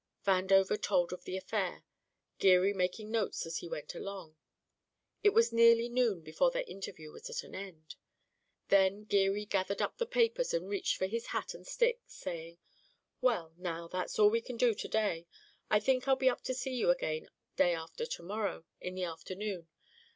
Vandover told of the affair, Geary making notes as he went along. It was nearly noon before their interview was at an end. Then Geary gathered up the papers and reached for his hat and stick, saying: "Well, now, that's all we can do to day. I think I'll be up to see you again day after to morrow, in the afternoon.